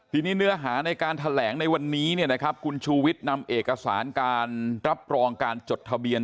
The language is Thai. ทีนี้เนื้อหาในการแถลงในวันนี้คุณชูวิทย์นำเอกสารการรับรองการจดทะเบียน